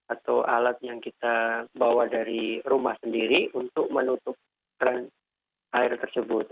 atau alat yang kita bawa dari rumah sendiri untuk menutup keran air tersebut